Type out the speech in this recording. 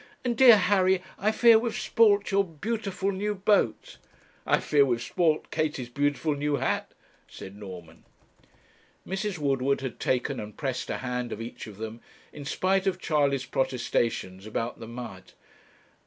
and dear Harry, I fear we've spoilt your beautiful new boat.' 'I fear we've spoilt Katie's beautiful new hat,' said Norman. Mrs. Woodward had taken and pressed a hand of each of them, in spite of Charley's protestations about the mud. 'Oh!